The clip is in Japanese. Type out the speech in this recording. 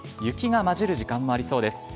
雪がまじる時間もありそうです。